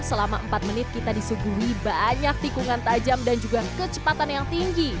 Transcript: selama empat menit kita disuguhi banyak tikungan tajam dan juga kecepatan yang tinggi